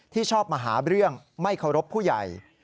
ชอบมาหาเรื่องไม่เคารพผู้ใหญ่